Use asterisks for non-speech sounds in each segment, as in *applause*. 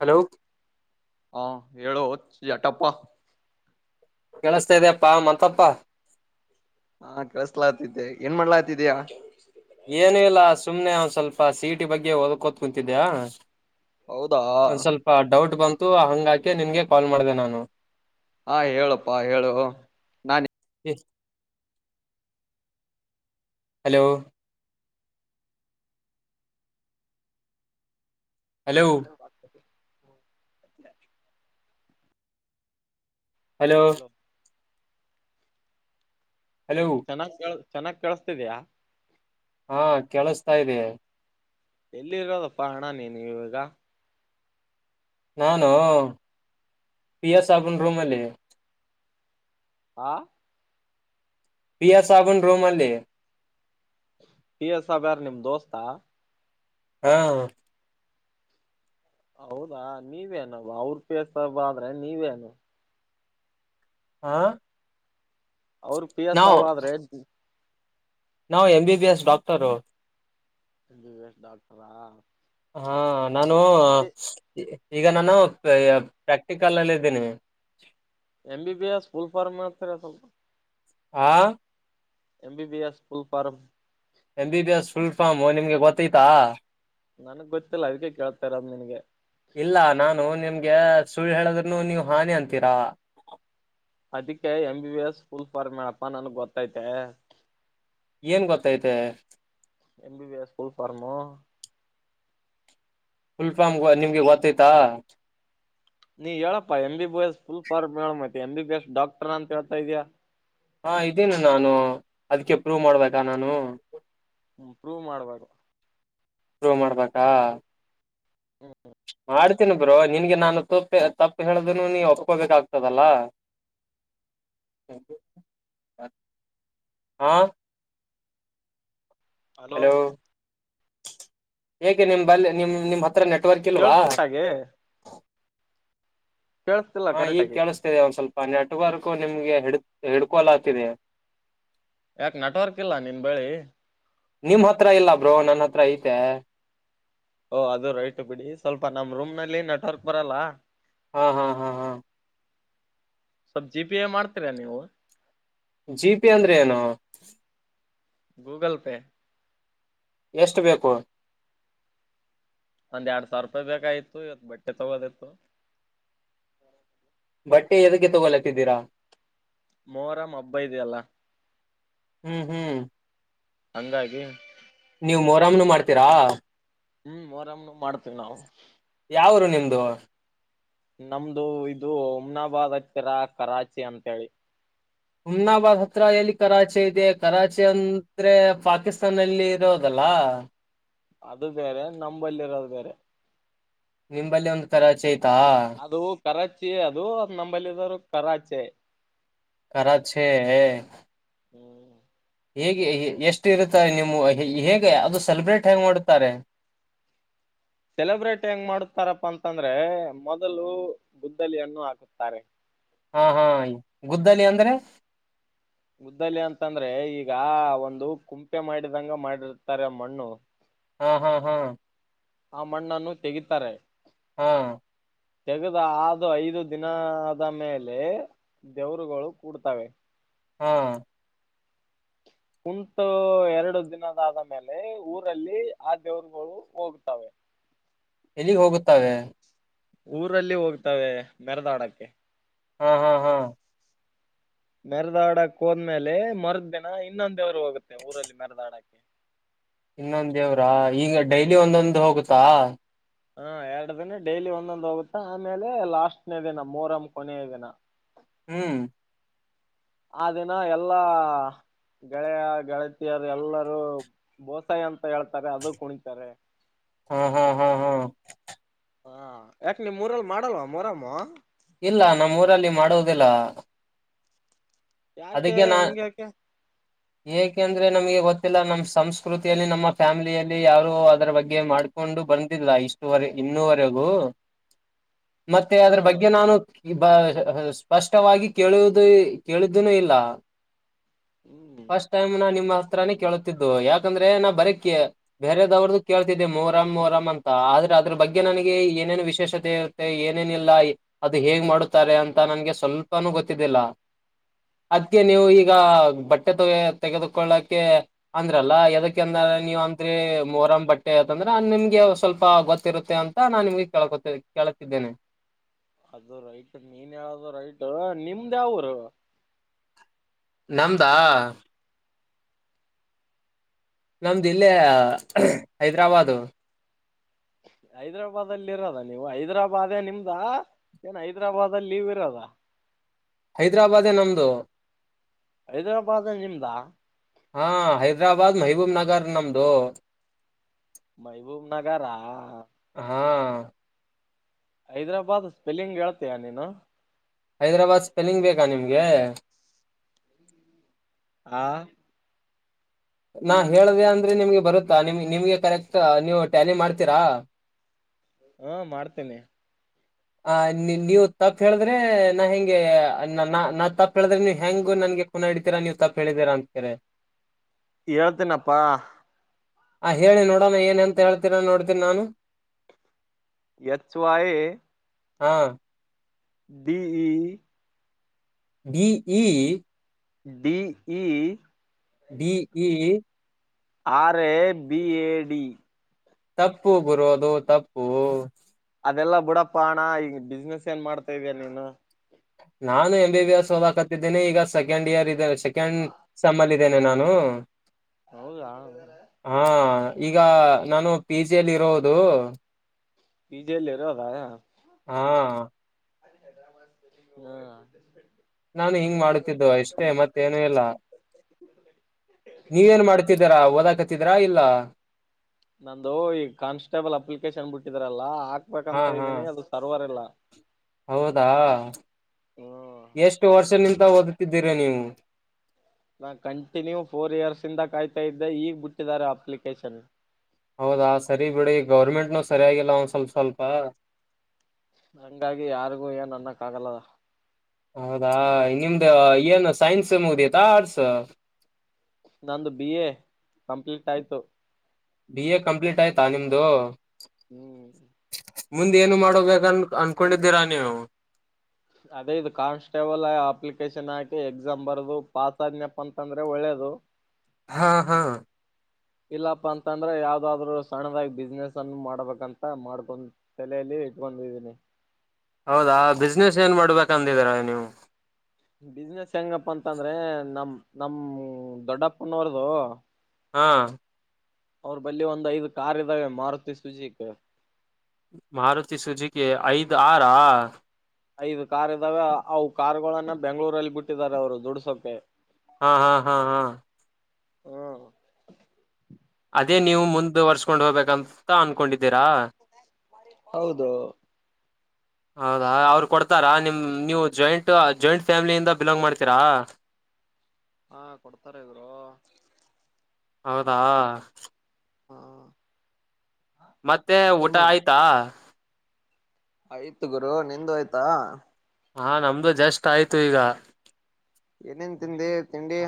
Hello ಹಾ ಹೇಳು ಜಟಪ್ಪ ಕೆೇಳಸ್ತಾ ಇದಪ್ಪಾ ಮತ್ತಪ್ಪಾ ಹಾ ಕಳ್ಸ್ಲಾತಿತಿ ಏನ್ ಮಾಡ್ಲಾತಿದೀಯ ಏನ ಇಲ್ಲಾ ಸುಮ್ನೆ ಅವನ್ ಸ್ವಲ್ಪ ಸೀಟಿ ಬಗ್ಗೆ ಒಓದ್ಕೋತ್ ಕುಂತಿದ್ದ್ಯಾ ಹೌದಾ ಒಂದ್ ಸ್ವಲ್ಪ ಡೌಟ್ ಬಂತ ಹಂಗಾಕೆ ನಿನ್ಗೆ ಕಾಲ್ ಮಾಡಿದೆ ನಾನು ಹಾ ಹೇಳಪ್ಪಾ ಹೇಳು ನಾನ ಎ hello hello hello hello hello ಚೆನ್ನಾಗ್ ಕ- ಚೆನ್ನಾಗ್ ಕಳಸ್ತಿದ್ಯಾ ಹಾ ಕೇಳಸ್ತಾ ಇದೀ ಎಲ್ಲಿರೋದಪ್ಪಾ ಅಣ್ಣ ನೀನು ಇವಾಗ. ನಾನು ಪಿ ಎಸ್ ಆಬನ್ ರೂಮ್ಲ್ಲಿ. ಆ. ಪಿಯಾ ಸಬನ್ ರೋಮಾಲೇ. ಪ ಎಸ್ ಬ್ಯಾರ್ ನಿಮ್ ದೋಸ್ತಾ ಹಾ ಹೌದಾ ನೀವೇನ ಅವ್ರ ಪೇಸ್ಬಾದ್ರೆ ನೀವೇನು. ಆಾ ಅವ್ರ ಪಿ ಎಸ್ ಆದ್ರೆ. ನಾವು M B B S doctor. ದ ವೇಶ್ ಡಾಕ್ಟರಾ. ಹಾ. ನಾನು. ಎಂ ಬಿ ಈಗ ನಾನು ಪ್ರಾಕ್ಟಿಕಲ್ ಅಲ್ಲಿ ಇದ್ದೀನಿ. M B S full form ಮಾಡ್ತೀರ ಸ್ವಲ್ಪ. ಹಾ. M B S full form. M B B S full form ನಿಮ್ಗೆ ಗೊತ್ತೈತಾ. ನನ್ಗ್ ಗೊತ್ತಿಲ್ಲ ಅದಕ್ಕೆ ಕೇಳ್ತಾರರಾಮ್ ನಿನ್ಗೆ. ಇಲ್ಲ ನಾನು ನಿಮ್ಗೆ ಸುಳ್ ಹೇಳದ್ನು ನೀವು ಹಾನಿ ಅಂತೀರಾ. ಅದಕ್ಕೆ M B B S full ಫಾರಪ್ಪಾ ನನ್ಗ್ ಗೊತ್ತೈತೆ. ಏನ್ ಗೊತ್ತೈತೆ. ಎಂಬಿಬಿಎಸ್ ಸ್ಫೂಲ್ಫಾರಮು. ಫುಲ್ಫಾಮ್ ನಿಮ್ಗೆ ಗೊತ್ತೈ್ತಾ. ನೀ ಹೇಳಪ್ಪಾ M B S full form ಹೇಳ ಮೈ ಎಂಬ ಬಿ ಎಸ್ ಡಾಕ್ಟರ್ ಅಂತ ಹೇಳ್ತಾ ಇದ್ಯಾಾ. ಹಾ ಇದೀನ ನಾನು ಅದ್ಕ್ಕೆ ಪ್ರೂವ್ ಮಾಡ್ಬೇಕಾ ನಾನು. ಹ್ಮ ಪ್ರೂವ್ ಮಾಡ್ಬೇಕು. ಶುರು ಮಾಡ್ಬೇಕಾ. ಹ್ಮ. ಮಾಡಡ್ತೀನಿ ಬ್ರೋ ನಿಿನಗೆ ನಾನು ತಪ್ಪ ತಪ್ಪು ಹೇಳಿದ ನೀ ಒಪ್ಕೋಬೇಕಾಗ್ತದಲ್ಲ ಹ. ಹಲೋ. ಹೇಗೆೆ ನಿಮ್ ಬ ನಿಮ ನಿಮ್ ಹತ್ತ. ನೆಟ್ವರ್ಕ್ ಇಲ್ವಾ. ಕೇಳಸ್ತಿಟ್ಟಾಗಿ ಕೇಳಸ್ತಿಲ್ಲ ಹಾ ಕರೆಕ್ಟ್ ಈಗ ಆಗಿ ಕೇಳಿಸ್ತೇನೆ ಒಂದ್ ಸ್ವಲ್ಪ. ಪ ನಟವರ್ಗೂ ನಿಮ್ಗೆ ಹಿಡ್ ಹಿಡ್ಕೊಲ ಆತಿದೆ. ಯಾಕ ನೆಟ್ವರ್ಕ್ ಇಲ್ಲ ನಿನ್ ಬೆಳಿ. ನಿಮ್ ಹತ್ರ ಇಲ್ಲ ಬ್ರೋ ನನ್ನ ಹತ್ರ ಐತೆ. ಓ ಅದು ರೈಟ್ ಬಿಡಿ ಸ್ವಲ್ಪ ನಮ್ ರೂಮ್ ನಲ್ಲಿ ನೆಟ್ವರ್ಕ್ ಬರಲ್ಲ. ಹಾ ಹಾ ಹಾ ಹಾ. ಸಬ್ಜಿ ಬಿಯ ಮಾಡ್ತೀರಾ ನೀವು. ಜಿ ಪಿ ಅಂದ್ರೆ ಏನು ಗೂಗಲ್ ಪೇ ಎಷ್ಟು ಬೇಕು ಒಂದ್ ಎರಡ್ ಸಾವಿರ ರೂಪಾಯಿ ಬೇಕಾಗಿತ್ತು ಇವತ್ತು ಬಟ್ಟೆ ತಗೋದಿತ್ತು ಬಟ್ಟೆ ಎದೀಕ್ಕೆ ತಗೊಲತ್ತಿದ್ದೀರಾ ಮೋರಂ ಹಬ್ಬ ಇದೆ ಅಲ್ಲ ಹ್ಮ್ ಹ್ಮ್ ಹಂಗಾಗಿ ನೀವ್ ಮೊರಾಮನು ಮಾಡ್ತೀರಾ ಹ್ಮ್ ಮೋರಮ್ನು ಮಾಡ್ತೀವಿ ನಾವು ಯಾವುರು ನಿಮ್ದು ನಮ್ದು ಇದು ಉಮ್ನಾಬಾದ್ ಹತ್ತಿರ ಕರಾಚಿ ಅಂತೇಳಿ ಹಮ್ನಾಬಾದ್ ಹತ್ರ ಎಲ್ಲಿ ಕರಾಚಿ ಇದೆ ಕರಾಚಿ ಅಂದ್ರೆ ಪಾಕಿಸ್ತಾನಲ್ಲಿ ಇರೋದಲ್ಲ ಅದು ಬೇರೆ ನಂಬಲ್ಲಿರೋದ ಬೇರೆ ನಿಂಬಲ್ಲಿ ಒಂದು ಕರಾಚಿ ತ್ತಾ ಅದು ಕರಾಚಿ ಅದು ಅ ನಂಬಲ್ಲಿ ಇರೋದು ಕರಾಚೆ ಕರಾಚೆ ಹ್ಮ್ ಹೇಗೆ ಎಷ್ಟು ಇರುತ್ತಾ ನಿಮ್ಮ ಹೇಗೆ ಅದು ಸೆಲೆಬ್ರೇಟ್ ಹೆಂಗ್ ಮಾಡ್ತಾರೆ ಸೆಲೆಬ್ರೇಟ್ ಹೆಂಗ್ ಮಾಡುತ್ತಾರಪ್ಪಾ ಅಂತಂದ್ರೆ ಮೊದಲು ಗುದ್ದಲಿಯನ್ನು ಹಾಕುತ್ತಾರೆ ಹಾ ಹಾ ಗುದ್ದಲಿ ಅಂದ್ರೆ ಗುದ್ದಲಿ ಅಂತಂದ್ರೆ ಈಗ ಒಂದು ಕುಂಪೆ ಮಾಡಿದಂಗ ಮಾಡಿರ್ತಾರೆ ಮಣ್ಣು ಹಾ ಹಾ ಹಾ ಆ ಮಣ್ಣನ್ನು ತೆಗೀತಾರೆ ಹಾ ತೆಗೆದ ಆದು ಐದು ದಿನದ ಮೇಲೆ ದೇವ್ರುಗಳು ಕೂಡ್ತವೆ ಹಾ ಕುಂತು ಎರಡು ದಿನದಾದ ಮೇಲೆ ಊರಲ್ಲಿ ಆ ದೇವರುಗಳು ಹೋಗ್ತವೆ ಎಲ್ಲಿಗ್ ಹೋಗುತ್ತವೆ ಊರಲ್ಲಿ ಹೋಗ್ತವೆ ಮೆರದಾಡಕ್ಕೆ ಹಾ ಹಾ ಹಾ ಮೆರದಾಡಕ್ ಹೋದ್ಮೇಲೆ ಮರ್ದಿನ ಇನ್ನೊ ದೇವ್ರು ಹೋಗುತ್ತೆ ಊರಲ್ಲಿ ಮೆರದಾಡಕ್ಕೆ ಇನ್ನೊಂದ ದೇವ್ರಾ ಈಗ ಡೈಲಿ ಒಂದೊಂದು ಹೋಗುತ್ತಾ ಹಾ ಎರಡ ದಿನ ಡೈಲಿ ಒಂದೊಂದ್ ಹೋಗುತ್ತ ಆಮೇಲೆ ಲಾಸ್ಟ್ನ ದಿನ ಮೂರಮ್ಮ ಕೊನೆಯ ದಿನ ಹ್ಮ್ ಆ ದಿನ ಎಲ್ಲಾ ಗೆಳೆಯ ಗೆಳತಿಯರು ಎಲ್ಲರೂ ಬೋತಾಯಿ ಅಂತ ಹೇಳ್ತಾರೆ ಅದು ಕುಣಿತಾರೆ ಹ್ಮ ಹಾ ಹಾ ಹಾ ಹಾ ಯಾಕ ನಿಮ್ ಊರಲ್ಲಿ ಮಾಡಲ್ವ ಮೋರಾಂ ಇಲ್ಲ ನಮ್ ಊರಲ್ಲಿ ಮಾಡುವುದಿಲ್ಲ ಯಾಕೆ ಅದಕ್ಕೆ ನಾ ಹೆಂಗ್ಯಾಕೆ ಏಕೆಂದ್ರೆ ನಮ್ಗೆ ಗೊತ್ತಿಲ್ಲ ನಮ್ಮ್ ಸಂಸ್ಕೃತಿಯಲ್ಲಿ ನಮ್ಮ ಫ್ಯಾಮಿಲಿಯಲ್ಲಿ ಯಾರು ಅದರ ಬಗ್ಗೆ ಮಾಡ್ಕೊಂಡು ಬಂದಿಲ್ಲ ಇಷ್ಟುವರೆ ಇನ್ನೂವರೆಗೂ ಮತ್ತೆ ಹ್ಮ ಅದ್ರ ಬಗ್ಗೆ ನಾನು ಈ ಬ ಸ್ಪಷ್ಟವಾಗಿ ಕೇಳುವುದು ಕೇಳ ಇದನ್ನು ಇಲ್ಲ ಹ್ಮ್ ಫಸ್ಟ್ ಟೈಮ್ ನನ್ ನಿಮ್ಮ ಮಾತ್ರಾನೇ ಕೇಳತಿದ್ದು ಯಾಕಂದ್ರೆ ನಾ ಬರಕ್ಕೆೆ ಬೇರದವ್ರದ್ದು ಕೇಳ್ತಿದ್ದೆ ಮೊಹರಂ ಮೊಹರಂ ಅಂತ ಆದ್ರೆ ಅದ್ರ ಬಗ್ಗೆ ನನಗೆ ಏನೇನು ವಿಶೇಷತೆ ಇರುತ್ತೆ ಏನೇನಿಲ್ಲ ಅದು ಹೇಗ್ ಮಾಡುತ್ತಾರೆ ಅಂತ ನನ್ಗೆ ಸ್ವಲ್ಪನೂ ಗೊತ್ತಿದ್ದಿಲ್ಲ ಅದಕ್ಕೆ ನೀವು ಈಗ ಬಟ್ಟೆ ತಗ ತೆಗೆದುಕೊಳ್ಳಕೆ ಅಂದ್ರಲ್ಲ ಯದಕ್ಕೆ ಅಂದ್ರ ನೀವ ಅಂದ್ರೀ ಮೊಹರಂ ಬಟ್ಟೆ ಯತ್ತಂದ್ರ ನಿಮ್ಗೆ ಸ್ವಲ್ಪ ಗೊತ್ತಿರುತ್ತೆ ಅಂತ ನಾನ್ ನಿಮ್ಗೆ ಕಳ್ಕೊತ ಕೇಳತಿದ್ದೇನೆ ಅದು ರೈಟ್ ನೀನ್ ಯಾವ್ದ ರೈಟ್ ನಿಮ್ದ ಯಾವ ಊರು ನಮ್ದಾ ನಮ್ದುಲ್ಲಿ ಹೈದ್ರಾಬದು ಹೈದ್ರಾಬಾದಲ್ಲಿ ಇರೋದ ನೀವು ಹೈದ್ರಾಬಾದೇ ನಿಮ್ದ ಏನ್ ಹೈದ್ರಾಬಾದಲ್ಲಿ ಲೀವ್ ಇರೋದ ಹೈದ್ರಾಬಾದೇ ನಮ್ದು ಹೈದರಾಬಾದ್ ನಿಮ್ದಾ ಹಾ ಹೈದ್ರಾಬಾದ್ ಮೈಬೂಬ್ ನಗರ್ ನಮ್ದು ಮೈಬೂಬ್ ನಗರಾ ಹಾ ಹೈದ್ರಾಬಾದ್ ಸ್ಪೆಲ್ಲಿಂಗ್ ಹೇಳ್ತೀಯ ನೀನು ಹೈದ್ರಾಬಾದ್ ಸ್ಪೆಲ್ಲಿಂಗ್ ಬೇಕಾ ನಿಮ್ಗೆ ಹಾ ನನ್ ಹೇಳ್ದ ಅಂದ್ರೆ ನಿಮ್ಗೆ ಬರುತ್ತಾ ನಿಮ್ ನಿಮ್ಗೆ ಕರೆಕ್ಟ್ ನೀವು ಟ್ಯಾಲಿ ಮಾಡ್ತೀರಾ ಹಾ ಮಾಡ್ತೇನಿ ಹಾ ನೀವ್ ತಪ್ಪ ಹೇಳಿದ್ರೆ ನಾ ಹೆಂಗೆ ನಾನಾ ತಪ್ಪು ಹೇಳಿದ್ರೆ ನೀವ್ ಹೆಂಗ ನನ್ಗ *unintelligible* ನೀವ್ ತಪ್ಪು ಹೇಳಿದೀರಾ ಅನ್ತಾರೆ ಹೇಳ್ತೀನಪ್ಪಾ ಹಾ ಹೇಳಿ ನೋಡೋಣ ಏನಂತ ಹೇಳ್ತೀರ ನೋಡ್ತೀನಿ ನಾನು ಎಚ್ ವೈ ಹಾ D E D E D E D E R A B A D ತಪ್ಪು ಬ್ರೋ ಅದು ತಪ್ಪು ಅದೆಲ್ಲಾ ಬುಡಪ್ಪ ಹಣ ಈಗ ಬಿಸ್ನೆಸ್ ಏನ್ ಮಾಡ್ತಾ ಇದಿಯಾ ನೀನು ನಾನು ಎಂ ಬಿ ಎಸ್ ಹೋದಾಕತ್ತಿದ್ದೇನೆ ಈಗ ಸೆಕೆಂಡ್ ಇಯರ್ ಇದೆ ಸೆಕೆಂಡ್ ಸೆಮ್ ಇದ್ದೇನೆ ನಾನು ಹೌದಾ ಹಾ ಈಗ ನಾನು ಪಿ ಜಿ ಅಲ್ಲಿ ಇರೋದು ಪಿ ಜಿ ಅಲ್ಲಿ ಇರೋದ ಹಾ ಹಾ ನಾನು ಹಿಂಗ್ ಮಾಡುತ್ತಿದ್ದು ಅಷ್ಟೇ ಮತ್ತೇನು ಇಲ್ಲ ನೀವೇನ್ ಮಾಡ್ತಿದ್ದೀರಾ ಓದಾಕ *unintelligible* ಇಲ್ಲ ನಂದು ಈ ಕಾನ್ಸ್ಟೇಬಲ್ ಅಪ್ಲಿಕೇಶನ್ ಬಿಟ್ಟಿದ್ರಲ್ಲ ಹಾ ಹಾಕ್ಬೇಕಂತ ಹಾ ಇದ್ದೀನಿ ಅದು ಸರ್ವರ್ ಇಲ್ಲ ಹೌದಾ ಹ್ಮ್ *inaudible* ಎಷ್ಟು ವರ್ಷ ನಿಂತ ಓದು ತಿದ್ದೀರಾ ನೀವು ನಾ ಕಂಟಿನ್ಯೂ ಫೋರ್ ಇಯರ್ಸ್ ಇಂದ ಕಾಯ್ತಾ ಇದ್ದೆ ಈಗ್ ಬಿಟ್ಟಿದ್ದಾರೆ ಅಪ್ಲಿಕೇಶನ್ ಹೌದಾ ಸರಿ ಬಿಡಿ ಗೌರ್ಮೆಂಟ್ನು ಸರಿಯಾಗಿಲ್ಲ ಒನ್ ಸ್ವಲ್ಪ ಸ್ವಲ್ಪ ಹಂಗಾಗಿ ಯಾರಿಗೂ ಏನ್ ಅನ್ನಕ್ಕ ಆಗಲ್ ಅಲಾ ಹೌದಾ ನಿಮ್ದ ಏನು ಸೈನ್ಸ್ ಮುಗದಿತಾ ಆರ್ಟ್ಸ್ ನಂದು ಬಿ ಎ ಕಂಪ್ಲೀಟ್ ಆಯ್ತು ತಾ ನಿಮ್ದು ಹ್ಮ್ ಮುಂದ್ ಏನು ಮಾಡಬೇಕನ್ ಅನ್ಕೊಂಡಿದ್ದೀರಾ ನೀವು ಅದೇ ಇದು ಕಾನ್ಸ್ಟೇಬಲ್ ಅಪ್ಲಿಕೇಶನ್ ಹಾಕಿ ಎಕ್ಸಾಮ್ ಬರದು ಪಾಸ್ ಆದನಪ್ಪ ಅಂತಂದ್ರೆ ಒಳ್ಳೇದು ಹಾ ಹಾ ಇಲ್ಲಪ್ಪಾ ಅಂತಂದ್ರ ಯಾವ್ದಾದ್ರರು ಸಣ್ಣದಾಗಿ ಬಿಸ್ನೆಸ್ ಅನ್ನು ಮಾಡ್ಬೇಕಂತ ಮಾಡ್ಕೊ ತಲೆಲಿ ಇಟ್ಕೊಂಡಿದೀನಿ ಹೌದಾ ಬಿಸ್ನೆಸ್ ಏನ್ ಮಾಡ್ಬೇಕಂದಿರ ನೀವು ಬಿಸ್ನೆಸ್ ಹೆಂಗಪ್ಪ ಅಂತಂದ್ರೆ ನಮ್ ನಮ್ ದೊಡ್ಡಪ್ಪನವ್ರದು ಹಾ ಅವ್ರ ಬಲ್ಲಿ ಒಂದ್ ಐದ ಕಾರ್ ಇದ್ದಾವೆ ಮಾರತಿ ಸುಜಿಕಿ ಮಾರುತಿ ಸುಜುಕಿ ಐದ್ ಆರಾ ಐದು ಕಾರ್ ಇದ್ದಾವೆ ಅವು ಕಾರಗೊಳನ್ನ ಬೆಂಗಳೂರಲ್ಲಿ ಬುಟ್ಟಿದ್ದಾರೆ ಅವರು ದುಡಸೋಕೆ ಹಾ ಹಾ ಹಾ ಹಾ ಹ್ಮ ಅದೇ ನೀವು ಮುಂದುವರ್ಸ್ಕೊಂಡ್ ಹೋಗ್ಬೇಕಂತ ಅನ್ಕೊಂಡಿದ್ದೀರಾ ಹೌದು ಹೌದಾ ಅವ್ರು ಕೊಡ್ತಾರಾ ನಿಮ್ ನೀವು ಜಾಯಿಂಟ್ ಜಾಯಿಂಟ್ ಫ್ಯಾಮಿಲಿಯಿಂದ ಬಿಲಾಂಗ್ ಮಾಡ್ತೀರಾ ಹಾ ಕೊಡ್ತಾರೆ ಇವರು ಹೌದಾ ಹಾ ಮತ್ತೆ ಮತ್ತೇನ್ ಊಟ ಮಾಡ ಆಯ್ತಾ ಆಯ್ತು ಗುರು ನಿಂದು ಆಯ್ತಾ ಹಾ ನಮ್ದು ಜಸ್ಟ್ ಆಯ್ತು ಈಗ ಏನೇನ್ ತಿಂದೆ ತಿಂಡಿ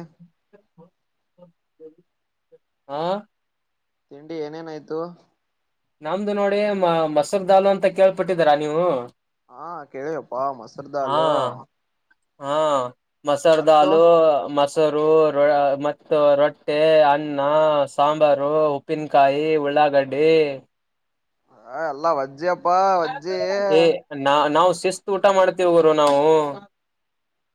ಹಾ ತಿಂಡಿ ಏನೇನಾಯ್ತು ನಮ್ದು ನೋಡಿ ಮ ಮೊಸರ್ ದಾಲು ಅಂತ ಕೇಳ್ಪಿಟ್ಟಿದರಾ ನೀವು ಹಾ ಕೇಳುವಪ್ಪಾ ಹಾ ಮೊಸರ್ದಾಲು ಹಾ ಮಸರದಾಲು ಮ ಮೊಸರು ರ ಮತ್ತು ರೊಟ್ಟೆ ಅನ್ನ ಸಾಂಬಾರು ಉಪ್ಪಿನಕಾಯಿ ಉಳ್ಳಾಗಡ್ಡಿ ಹ ಎಲ್ಲಾ ವಜ್ಜಿ ಎ ನ ನಾವ್ ಸ ಶಿಸ್ತು ಊಟ ಮಾಡ್ತೀವಿ ಗುರು ನಾವು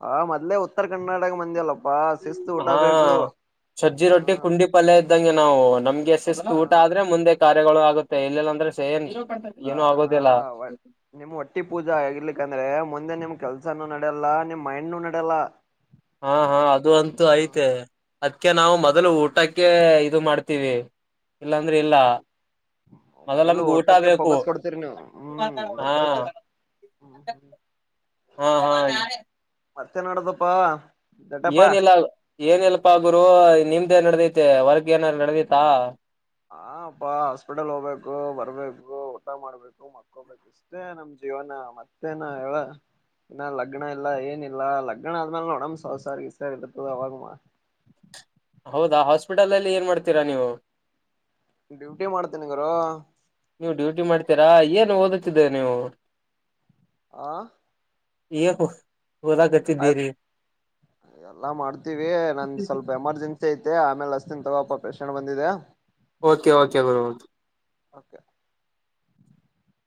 ಹ ಮದ್ಲೆ ಉತ್ತರ ಕರ್ನಾಟಕ ಮಂದಿ ಅಲ್ಲಪ್ಪಾ ಶಿಸ್ತು ಊಟ ಹಾ ಬೇಕು ಸಜ್ಜಿ ಹ ರೊಟ್ಟಿ ಕುಂಡಿ ಪಲ್ಯ ಇದ್ದಂಗೆ ನಾವು ನಮ್ ಶಿಸ್ತ ಹ ಊಟ ಆದ್ರೆ ಮುಂದೆ ಕ ಗಳು ಆಗುತ್ತೆ ಇಲ್ಲಲ್ಲ ಅಂದ್ರೆ ಸೇನ್ ಅಲ್ಲಾ ಏನು ಆಗೋದಿಲ್ಲ ಹ ನಿಮ್ಮ್ ಒಟ್ಟಿ ಪೂಜಾ ಆಗಿರ್ಲಿಕ್ಕಂದ್ರೆ ದೆ ನಿಮ್ ಕೆಲ್ಸಾನು ನಡೆಯಲ್ಲ ನಿಮ್ ಮೈಂಡ್ನು ನಡೆಲ್ಲಾ ಹಾ ಹಾ ಅದು ಅಂತೂ ಐತೆ ಅದ್ಕೆ ನಾವು ಮೊದ್ಲು ಊಟಕ್ಕೆ ಇದು ಮಾಡ್ತೀವಿ ಇಲ್ಲಾಂದ್ರೆ ಇಲ್ಲ ಮೊದಲು ಮೊದಲಮಗೆ ಊಟ ಊಟಕ್ಕೆ ಬೇಕು ಫೋಕಸ್ ಕೊಡ್ತೀರಿ ನೀವು ಹ್ಮ್ ಹಾ ಗೊತ್ತೈತೆ ಹ್ಮ್ ಹ್ಮ್ ಹಾ ಹಾ ಮತ್ತೆನ್ ಆಡದಪ್ಪಾ ಏನಿಲ್ಲ ಏನ್ ಎಲ್ಪ ಆಗುರು ನಿಮ್ದ ನಡದೈತೆ ವರ್ಗ ಏನಾದಾರರು ನಡೆದೈತಾ ಹ ಅಪ್ಪಾ ಹಾಸ್ಪಿಟಲ್ ಹೋಗ್ಬೇಕು ಬರ್ಬೇಕು ಊಟ ಮಾಡ್ಬೇಕು ಮಕ್ಕೋಗ್ಬೇಕು ಇಷ್ಟೇ ನಮ್ ಜೀವನ ಮತ್ತೇನ ಹೇಳ ಇನ್ನ ಲಗ್ನ ಇಲ್ಲ ಏನಿಲ್ಲ ಲಗ್ನ ಆದ್ಮೇಲೆ ನೋಡಮ್ಮ ಸೌ ಸಾರ್ ಗಿಸಾರ ಇರ್ತದ ಅವಾಗಮ್ಮ ಹೌದಾ ಹಾಸ್ಪಿಟಲ್ ಅಲ್ಲಿ ಏನ್ ಮಾಡ್ತೀರಾ ನೀವು ಡ್ಯೂಟಿ ಮಾಡ್ತೇನ್ ಗುರು ನೀವು ಡ್ಯೂಟಿ ಮಾಡ್ತೀರಾ ಏನ್ ಓದುತ್ತಿದ್ದ ನೀವು ಆ ಈಕು ಆಯ್ತ್ ಎಲ್ಲ ಮಾಡ್ತೀವಿ ನಂದು ಸ್ವಲ್ಪ ಎಮರ್ಜೆನ್ಸಿ ಯತ ಆಮೇಲೆ ಅಸ್ತಿನ್ ತಗೋಪಪ್ಪಕ್ಷಣ ಬಂದಿದೆೆ ಓಕೆ ಓಕೆ ಗು ಓಕೆ